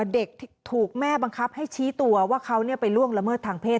เด็กถูกแม่บังคับให้ชี้ตัวว่าเขาไปล่วงละเมิดทางเพศ